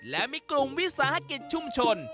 และมีกลุ่มวิสาหกิจชุมชน